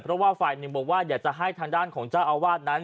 เพราะว่าฝ่ายหนึ่งบอกว่าอยากจะให้ทางด้านของเจ้าอาวาสนั้น